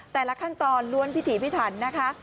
แต่ละขั้นตอนล้วนพิถีพิถันนะคะ